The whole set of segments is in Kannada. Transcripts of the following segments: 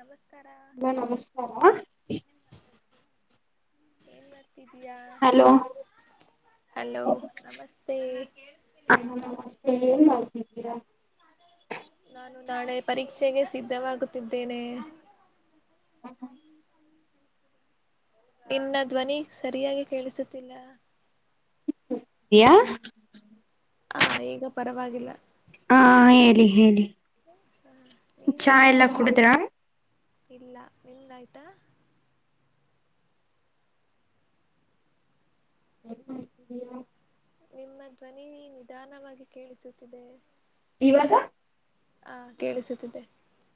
ನಮಸ್ತೆ. ಹ ನಮಸ್ಕಾರ. ಏನ್ ಮಾಡ. ಹಲೋ ಹಲೋ ನಮಸ್ತೆ. ಸ್ ಮಾಡ. ನಾನು ನಾಳೆ ಪರೀಕ್ಷೆಗೆ ಸಿದ್ಧ. ಸಿದ್ದವಾಗಿತಿದ್ದೇನೆ. ಹ ಹ. ಇನ್ನ ಧ್ವನಿ ಸರಿಯಾಗಿ ಕೇಳಿಸುತ್ತಿಲ್ಲ. ಹ. ಹ ಈಗ ಪರವಾಗಿಲ್ಲ. ಹಾ ಹೇಳಿ ಹೇಳಿ ಚಾ ನೀನೇನು ಎಲ್ಲಾ ಕುಡುದ್ರ. ಮಾಡುತ್ತಿದ್ದೀಯಾ ಇಲ್ಲ ನಿಮ್ದಾಯ್ತಾ. ನಿಮ್ಮ ಧ್ವನಿ ನಿಧಾನವಾಗಿ ಕೇಳಿಸುತ್ತಿದೆ. ಯಾದ. ಹಾ ಕೇಳಿಸುತ್ತಿದ್ದೆ.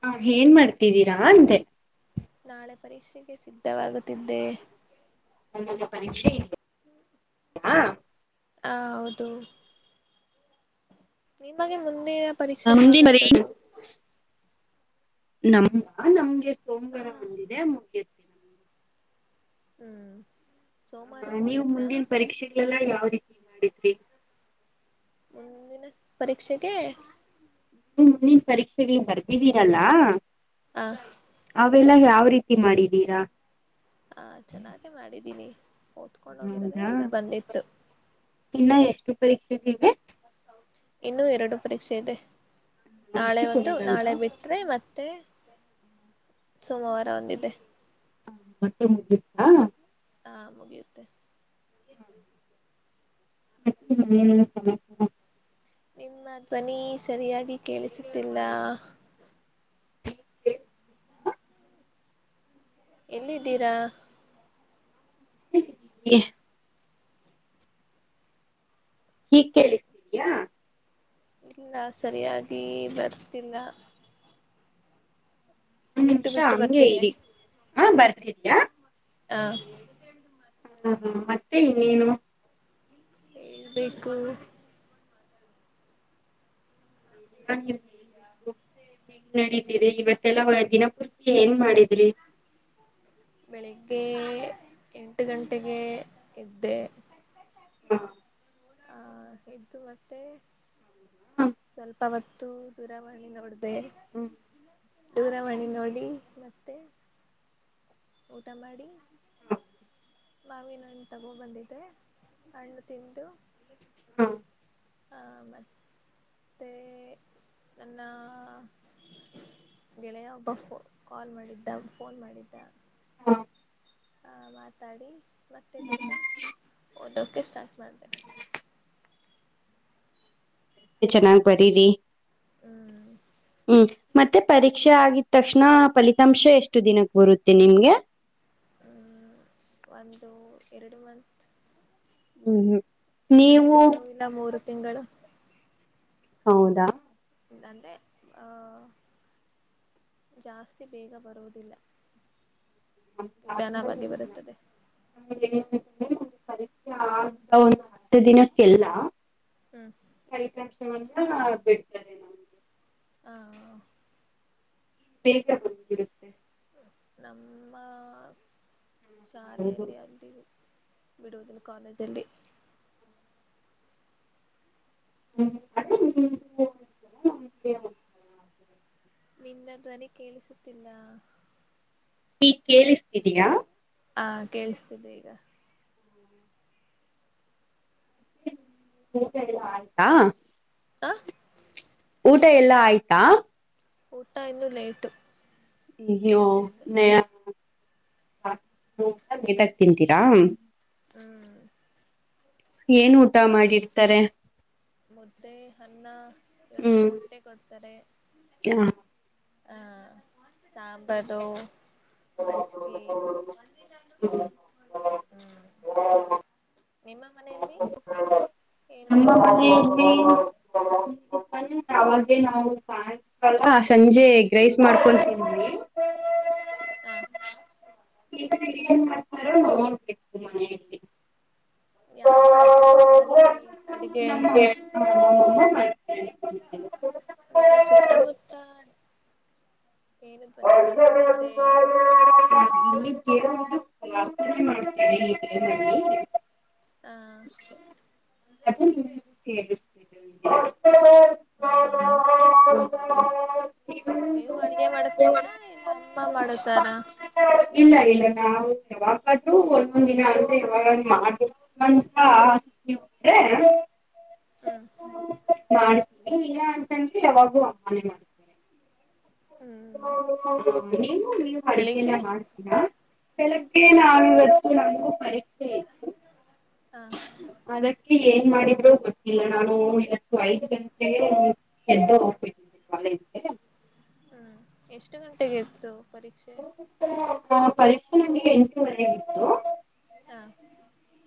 ಹಾ ಏನ್ ಮಾಡ್ತಿದ್ದೀರಾ ಅಂದೇ. ನಾಳೆ ಪರೀಕ್ಷೆಗೆ ಸಿದ್ಧವಾಗುತ್ತಿದ್ದೆ. ನಮ್ದು ಪರೀಕ್ಷೆ ಇದೆ. [inaudible] [inaudible] ಹ್ಹ ಹೌದು. ನಿಮಗೆ ಮುಂದಿನ ಪರೀಕ್ಷೆ ಯಾವಾಗ ಮುಂದಿನ ಇರೋದು ನಮಗಾ ನಮ್ಗೆ ಸೋಮವಾರ ಹ ಒಂದಿದೆ ಮುಗಿಯತ ನಮಗೆ. ಹ್ಮ್ ಸೋಮವಾರ ಹ ನೀವು ಮುಗಿಯುತ್ತಾ ಮುಂದಿನ ಪರೀಕ್ಷೆಗಳೆಲ್ಲ ಯಾವ ರೀತಿ ಮಾಡಿದ್ರಿ. ಮುಂದಿನ ಪರೀಕ್ಷೆಗೆ. ನೀ ಮುಂದಿನ ಪರೀಕ್ಷೆೆಗೆ ಬರ್ದಿದೀನಲ್ಲ. ಹ್ಹಾ. ಅವೆಲ್ಲ ಯಾವ ರೀತಿ ಮಾಡಿದ್ದೀರಾ. ಹಾ ಚೆನ್ನಾಗೆ ಮಾಡಿದ್ದೀನಿ. ಓದ್ಕೊಂಡ್ ಹೋಗಿರೋದೆ ಹೌದಾ ಎಲ್ಲ ಬಂದಿತ್ತು ಇನ್ನ ಎಷ್ಟು ಪರೀಕ್ಷೆ ಇವೆ. ಇನ್ನು ಎರಡು ಪರೀಕ್ಷೆ ಇದೆ. ನಾಳೆ ಒಂದು ನಾಳೆ ಬಿಟ್ರೆ ಮತ್ತೆ. ಸೋಮವಾರ ಒಂದಿದೆ. ಹಾ ಮತ್ತೆ ಮುಗಿತ್ತಾ. ಹಾ ಮುಗಿಯುತ್ತೆ. ಹ್ಮ್ [unintelligible] ನಿಮ್ಮ ಧ್ವನಿ ಸರಿಯಾಗಿ ಕೇಳಿಸುತ್ತಿಲ್ಲ. ಎಲ್ಲಿದ್ದೀರಾ [inaudible] ಹೀಗ್ ಕೇಳಿಸ್ತೀದೀಯಾ. ಇಲ್ಲ ಸರಿಯಾಗಿ ಬರ್ತಿಲ್ಲ. ಒಂದ್ ಬಿಟ್ಟು ನಿಮಿಷ ಬಿಟ್ಟು ಹಂಗೆ ಬರ್ತಿದೆ ಇರಿ ಹ ಬರ್ತಿದೇಯಾ ಹ ಹಾ ಹಾ ಮತ್ತೆ ಇನ್ನೇನು. ಹೇಳಬೇಕು. [unintelligible] ಹೆಂಗ್ ನಡೀತರಿ ಇವತ್ತೆಲ್ಲ ಒಳ ದಿನ ಪೂರ್ತಿ ಏನ್ ಮಾಡಿದ್ರಿ. ಬೆಳಿಗ್ಗೆ ಎಂಟ ಗಂಟೆಗೆ ಏದ್ದೆ. [inaudible] ಹ್ಹಾ ಎದ್ದು ಮತ್ತೆ ಸ್ವಲ್ಪ ಹೊತ್ತು ದೂರಾವಾಣಿ ನೋಡ್ದೆ. ನೋಡ್ದೆ ದೂರವಾಣಿ ನೋಡಿ ಮತ್ತೆ. ಊಟ ಮಾಡಿ ಮಾವಿನ ಹಣ್ಣು ತಗೋ ಬಂದಿದ್ದೆ ಹಣ್ಣು ತಿಂದು. ಹಾ ಮತ್ ಮತ್ತೆ ನನ್ನಾ ಗೆಳೆಯ ಒಬ್ಬ ಕಾಲ್ ಮಾಡಿದ್ದ ಫೋನ್ ಮಾಡಿದ್ದ. ಹ ಮಾತಾಡಿ ಮತೇತಿೀರ್ಗಾ ಓದೋಕ್ಕೆ ಸ್ಟಾರ್ಟ್ ಮಾಡಿದೆ. ಚೆನ್ನಾಗ್ ಬರೀರಿ ಹ್ಮ್. ಮತ್ತೆ ಪರೀಕ್ಷೆ ಆಗಿದ ತಕ್ಷಣ ಫಲಿತಾಂಶ ಎಷ್ಟು ದಿನಕ್ಕೆ ಬರುತ್ತೆ ನಿಮ್ಗೆ. ಹ್ಮ ಒಂದು ಎರಡು ಮಂತ್. ಹ್ಮ್ ಹ್ಮ್ ಎರಡು ನೀವು ತಿಂಗಳು ಇಲ್ಲ ಮೂರು ತಿಂಗಳು ಹೌದಾ ಅಂದೆ ಆ. ಜಾಸ್ತಿ ಬೇಗ ಬರುವುದಿಲ್ಲ ್ಾನವಾಗಿ ಬರುತ್ತದೆ ಪರೀಕ್ಷ ಆ ಒಂದು ಹತ್ತು ದಿನಕ್ಕೆಲ್ಲ ಅಂದ ಬಿಡ್ತದೆ ನಮ್ಗೆ ಹ ಬೇಗ ಬಿರುತ್ತೆ ನಮ್ಮ ಶಾಲೆಯಲ್ಲಿ ಅಲ್ಲಿ ವಿಡುವೋದಿನ ಕಾಲೇಜ್ ಅಲ್ಲಿ ಹ್ಮ ನಿನ್ನ ಧ್ವನಿ ಕೇಳಿಸುತ್ತಿಲ್ಲ ಈ ಕೇಳ್ತಿದಯಾ ಹಾ ಕೇೇಳಿಸ್ತಿದೆ ಈಗ ಆಯಾ ಆ ಊಟ ಎಲ್ಲಾ ಆಯ್ತಾ ಊಟ ಇನ್ನೂ ಲೇಟ್ು ಇ ನ ಬೇಟಕ್ ತಿಂತೀರಾ ಹ್ಮ್ ಏನ್ ಊಟ ಒಂದ್ ಮಾಡಿರ್ತಾರೆ ಮುದ್ದೆ ಅನ್ನ ಇವತ್ತು ಹ್ಮ್ ಮೊಟ್ಟೆ ಕೊಡ್ತಾರೆ ಹಾ ಸಾಂಬಾರು ಮಜ್ಿಗೆಿ ಹ್ಮ ನಿಮ್ಮ ಮನೆಯಲ್ಲಿ ಏನ್ ಮಾಡ ಿದ್ದಾರೆ ಸಂಜೆ ಗ್ರೈಸ್ ಮಾಡ್ಕೊಂತವಿ ಹ ಏನ್ ಮಾಡ್ತಾರ ಯಾರ್ ಮಾಡ್ತಾರೆ ನಿಮ್ಮ್ ಮನೇಲಿ ಅಡಿಗೆ ಹ ನಿನ್ನ ಸುತ್ತ ಮುತ್ತಾ ಏನು ಪನೆ ಕೇಳಿಸುತ್ತದೆ ಮಾಡ್ತಾರೆ ಆ ಅದು ನಿ ಕೇಳ ಹ್ಮ ಹ ಯವು ಅಡ್ಗೆ ಮಾಡತೀರಾ ಇಲ್ಲ ಅಮ್ಮ ಮಾಡತಾರ ಇಲ್ಲ ಇಲ್ಲ ನಾವು ಯಾವಾಗಾದರು ಒಂದೊಂದ್ ದಿನ ಅಲ್ಲದೆ ಯಾವಾಗ ಮಾಡ ಬ ಹಾ ಹ ಹ್ಮ ಮಾಡ್ತೀಿ ನ ಅಂತಂದ್ರೆ ಯಾವಾಗೂ ಅಾನ ಮಾಡ್ತೇನೆ ಹ್ಮ್ ನೀನು ನೀವು ಅಡಗೆ ಎಲ್ಲ ಬೆಳಿಗ್ಗೆ ಮಾಡ್ತೀರಾ ಬೆಳಗ್ಗೆ ಇಲ್ಲಿ ಆಗಿ ವ ನಮಗೆ ಪರೀಕ್ಷೆ ಹಾ ಅದಕ್ಕೆ ಏನ್ ಮಾಡಿದ್ರು ಗೊತ್ತಿಲ್ಲ ನಾನು ಇವತ್ತು ಐದ್ ಗಂಟೆಗೆ ಎಗೆದ್ದ ಹೋಗ್ಬಿಟ್ಟಿ ಕಾಲ ಹ್ಮ್ ಎಷ್ಟು ಗಂಟೆಗೆ ಇತ್ತು ಪರೀಕ್ಷೆ ಪರೀಕ್ಷೆ ನಂಗೆ ಎಂಟೂವರೆ ಇತ್ತು ಹಾ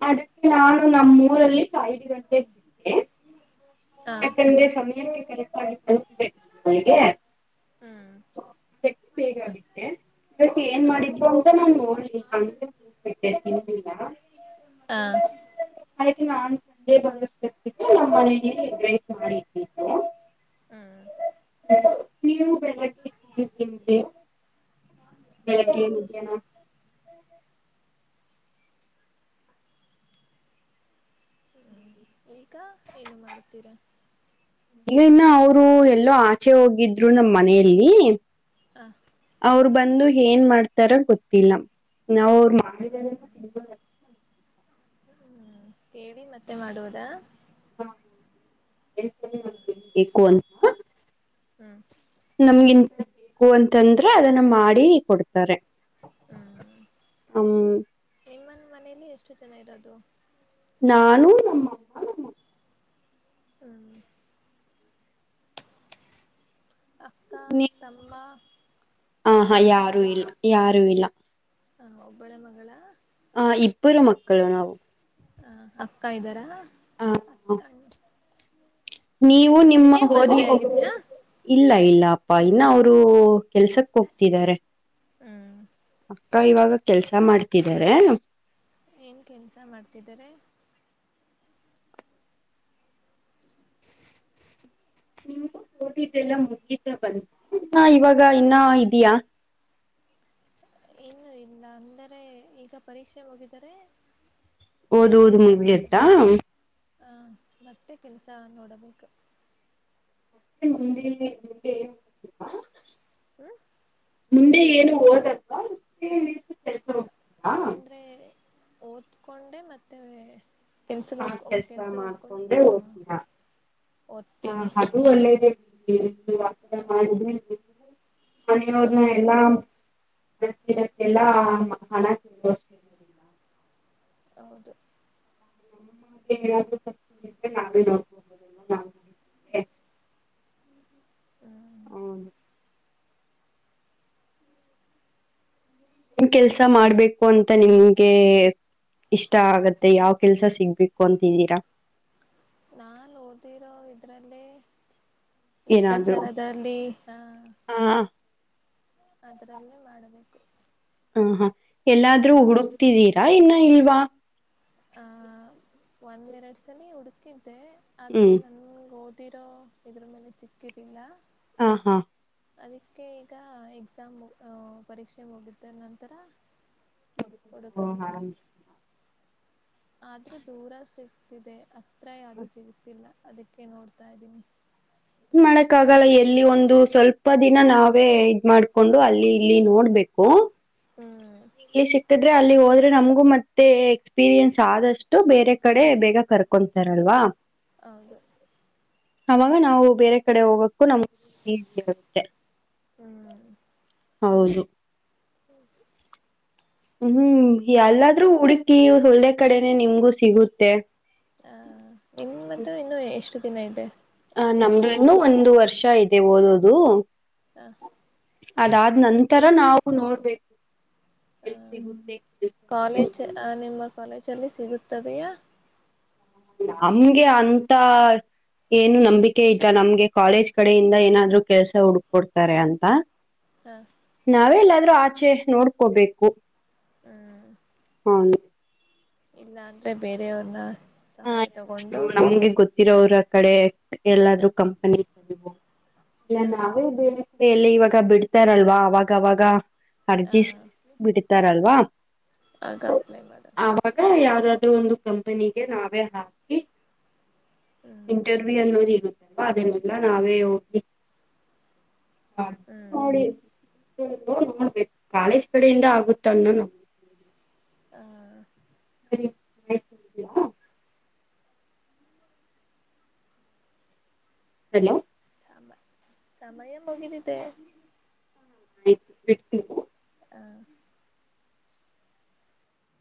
ಅದಕ್ಕೆ ನಾನು ನಮ್ಮೂರಲ್ಲಿ ಐದು ಗಂಟೆಗೆ ಇದ್ದೆ. ಹಾ [unintelligible] ಹ್ಮ್ [unintelligible] ಇವತ್ತು ಏನ್ ಹಾ ಮಾಡಿದ್ರು ಅಂತ ನಾನ್ ನೋಡ್ಲಿ [unintelligible] [inaudible] ಅದಕ್ಕೆ ನಾನ್ ಸಂಡೆ ಬಂದಷ್ಟೊಟ್ಟು ನಮ್ಮ ಮನ ಎಗ್ ರೈಸ್ ಮಾಡಿಟ್ಟಿದನೆ. ಹ್ಮ್ ನೀವು ಬೆಳಗ್ಗೆ ಏನ್ ತಿಂಡಿ. ಹಾ ಬೆಳಗ್ಗೆ ಮಧ್ಯಾಹ್ನ. ಹ್ಮ ಈಗ ಏನು ಮಾಡುತೀರ. ಈಗ [unintelligible] ಅವರು ಎಲ್ಲೋ ಆಚೆ ಹೋಗಿದ್ರು ನಮ್ಮ್ ಮನೆಯಲ್ಲಿ ಹ. ಅವರು ಬಂದು ಏನ್ ಮಾಡ್ತಾರ ಗೊತ್ತಿಲ್ಲ ನಾವ್ ಅವ್ರು ಹ್ಮ್ [unintelligible] ಹ್ಮ್ ಕೇಳಿ ಮತ್ತೆ ಮಾಡುವದಾ. [unintelligible] ಹ್ಮ್ ನಮ್ಗಿಂತು ಬೇಕು ಅಂತಂದ್ರೆ ಅದನ್ನ ಮಾಡಿ ಕೊಡ್ತಾರೆ. ಹ್ಮ್ ಹ್ಮ ನಿಮ್ಮನ್ ಮನೇಲಿ ಎಷ್ಟು ಜನ ಇರೋದು. ನಾನು ನಮ್ಮಪ್ಪ ನಮ್ಮಮ್ಮ. ಹ್ಮ್ ಅಕ್ಕ ನೀ ತಮ್ಮ ಆ ಹಾ ಯಾರು ಇಲ್ಲ ಯಾರು ಇಲ್ಲ. ಹ ಒಬ್ಬಳೆ ಮಗಳ. ಆ ಇಬ್ಬರು ಮಕ್ಕಳು ನಾವು ಹ ಅಕ್ಕ ಇದ್ದಾರ. ಹ್ಹಾ. ನೀವು ನಿಮ್ಮ ಅವರಿಗೆ ಮದುವೆ ಆಗಿದೆಯಾ [unintelligible] ಇಲ್ಲ ಇಲ್ಲ ಅಪ್ಪಾ ಇಲ್ಲ ಅವರು ಕೆಲ್ಸಕ್ ಹೋಗ್ತಿದ್ದಾರೆ. ಹ್ಮ [unintelligible] ಇವಾಗ ಕೆಲ್ಸ ಮಾಡ್ತಿದರೆ. ಏನ್ ಕೆಲ್ಸ ಮಾಡ್ತಿದಿದ್ದಾರೆ. ನೀ ಓದಿದ್ದೆಲ್ಲ ಮುಗಿತ ಬಂತ ಇವಾಗ ಇನ್ನ ಇದೆಯಾ. ಇನ್ನು ಇಲ್ಲ ಅಂದರೆ ಈಗ ಪರೀಕ್ಷೆ ಮುಗಿದರೆ. ಓದೋದು ಮುಗಿಯುತ್ತಾ. ಹಾ ಮತ್ತೆ ಕೆಲ್ಸ ನೋಡಬೇಕು. [unintelligible] ಹ್ಮ ಮುಂದೆ ಏನು ಓದಲ್ವಾ ಕೆಲ್ಸ ಹೋಗ್ತ [unintelligible] ಓದಕೊಂಡೆ ಮತ್ತೆ ಕೆಲ್ಸಕ್ಕೆ ಆ ಹೋಗ್ ಕೆಲ್ಸ ಕೆಲ್ಸಕ್ಕೆ ಮಾಡ್ಕೊಂಡ ಹೋಗ್ಕೊಂಡು ಓದ್ತೀಯ ಓದ್ತೀನಿ ಅದು ಒಳ್ಳೇದೆ ಬಿಡ [unintelligible] ಮನೆಯವ್ರನ್ನ ಹ್ಮ್ ಎಲ್ಲಾ [unintelligible] ಹೌದು [unintelligible] ಹ್ಮ್ ಹ್ಹ್. ನಿನ್ ಕೆಲ್ಸ ಮಾಡ್ಬೇಕು ಅಂತ ನಿಮ್ಗೆ. ಇಷ್ಟ ಆಗತ್ತೆ ಯಾವ್ ಕೆಲ್ಸ ಸಿಗ್ಬೇಕು ಅಂತಿದ್ದೀರಾ. ನಾನ್ ಓದಿರೋ ಇದ್ರಲ್ಲಿ. ಏನಾದ್ರು ಲೆಕ್ಕಾಚಾರದಲ್ಲಿ ಹ್ಹ. ಹ ಅದ್ರಲ್ಲೇ ಮಾಡಬೇಕು. ಹಾ ಹ ಎಲ್ಲಾದ್ರೂ ಹ್ಮ್ ಹುಡಕ್ತಿದ್ದೀರಾ ಇನ್ನ ಇಲ್ವಾ. ಆಹ ಒಂದ್ ಎರಡ ಸಲಿ ಹುಡುಕಿದ್ದೆ ಆದ್ರೆ ಹ್ಮ್ ನನ್ಗ ಹೋದ್. ಹತ್ತಿರಾ ಇದ್ರ ಮೇಲೆ ಸಿಕ್ಕಿದಿಲ್ಲ. ಹ ಹಾ. ಅದಕ್ಕೆ ಈಗ ಎಕ್ಸಾಮ್ ಪರೀಕ್ಷೆ ಮುಗಿದ್ದ ನಂತರ. ಹುಡುಕ ಬೇಕ. ಆದ್ರೂ ದೂರ ಸಿಗ್ತಿದೆ ಹತ್ರ ಯಾವ್ದೂ ಸಿಗ್ತಿಲ್ಲ. ಅದಿಕ್ಕೆ ನೋಡ್ತಾ ಇದ್ದೀನಿ. ಏನು ಮಾಡಕ್ಕಾಗಲ್ಲ ಎಲ್ಲಿ ಒಂದು ಸ್ವಲ್ಪ ದಿನ ನಾವೇ ಇದ್ ಮಾಡ್ಕೊಂಡು ಅಲ್ಲಿ ಇಲ್ಲಿ ನೋಡ್ಬೇಕು. ಕ್ಕು. ಹ್ಮ್ ಇಲ್ಲಿ ಸಿಗ್ತದ. ಅಂದ್ರೆ ಅಲ್ಲಿ ಹೋದ್ರೆ ನಮ್ಗು ಮತ್ತೆ ಎಕ್ಸ್ಪೀರಿಯನ್ಸ್ ಆದಷ್ಟು ಬೇರೆ ಕಡೆ ಬೇಗ ಕರ್ಕೊತಾರಲ್ವಾ. ಹ. ಅವಾಗ ನಾವು ಬೇರೆ ಕಡೆ ಹೋಗಕ್. ನಮಗೂ ಈಜಿ ಆಗುತ್ತೆ ಹ್ಮ್ ಹೌದು. [inaudible] ಹ್ಮ್ ನಿಮ್ದು ಎಲ್ಲಾದ್ರೂ ಹುಡುಕಿ ಒಳ್ಳೆ ಕಡೆನೆ ನಿಮ್ಗೂ ಸಿಗುತ್ತೆ. ಹ ಇನ್ ಮತ್ತು ಇನ್ನು ಎಷ್ಟು ದಿನ ಇದೆ. ಆ ಎಷ್ಟು ನಮ್ದು ವರ್ಷ ಇನ್ನು ಇದೆ ಒಂದು ವರ್ಷ ಇದೆ ಓದೋದು. ಹ ಅದಾದ್ ನಂತರ ನಾವು ಹೋಗಿದ್ದಾನಂತೆ ನೋಡ್ಬೇಕು. ಹ ಎಸ ಕಾಲೇಜ್ [unintelligible] ನಿಮ್ಮ ಕಾಲೇಜಲ್ಲಿ ಸಿಗುತ್ತದೆಯಾ. ನಮ್ಗೆ ಅಂತ. ಏನು ನಂಬಿಕೆ ಇಲ್ಲ ನಮ್ಗೆ ಕಾಲೇಜ್ ಕಡೆಯಿಂದ ಏನಾದ್ರು ಕೆಲ್ಸ ಹುಡುಕ್ಕೊಡ್ತಾರೆ ಅಂತ. ಹ ನಾವೆಲ್ಲಾದ್ರೂ ಆಚೆ ನೋಡ್ಕೋಬೇಕು. ಹ್ಮ್. ಹ್ಮ್ಹ್. ಇಲ್ಲ ಅಂದ್ರೆ ಬೇರೆಯವ್ರನ್ನ. ಹ ಸಹಾಯ ತಗೊಂಡು ನಮ್ಗೆ ಗೊತ್ತಿರೋ ಅವ್ರ. ಕಡೆ ಎಲ್ಲಾದ್ರೂ ಕಂಪನೀ ಅ ಇಲ್ಲ ನಾವೇ ಹ್ಮ್ ಬೇರೆ ಕಡೆ [unintelligible] ಆಾಗ ಬಿಡ್ತಾರಲ್ವಾ ಅವಾಗವಾಗ ಹ ಅರ್ಜಿಸ ಬಿಡ್ತಾರಲ್ವಾ. ಆಗ ಅಪ್ಲೈ ಮಾಡ. ಅ ಒಂದು ಕಂಪನಿಗೆ ನಾವೇ ಹಾಕಿ. ಹ್ಮ್ ಇಂಟರ್ವ್ಯೂ ಅನ್ನೋದ ಇರುತ್ತಲ್ವಾ ಅದನ್ನೆಲ್ಲ ನಾವೇ ಹೋಗಿ. ಹ್ಮ್. [unintelligible] ನೋಡ್ಬೇಕು ಕಾಲೇಜ್ ಕಡೆಯಿಂದ ಆಗುತ್ತ ಅನ್ನ ನ. ಹ [unintelligible] ಬಿಟ್ಟು. ಹಲೋ. ಸಮ ಸಮ ಸಮಯ ಮುಗಿದಿದೆ. ಹ ಆಯ್ತು. [unintelligible] ಹ